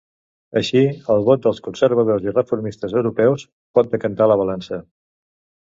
Així, el vot dels conservadors i reformistes europeus pot decantar la balança.